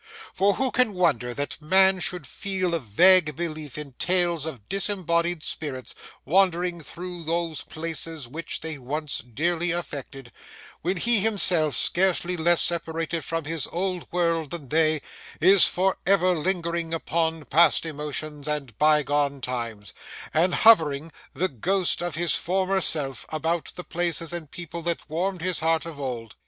For who can wonder that man should feel a vague belief in tales of disembodied spirits wandering through those places which they once dearly affected, when he himself, scarcely less separated from his old world than they, is for ever lingering upon past emotions and bygone times, and hovering, the ghost of his former self, about the places and people that warmed his heart of old?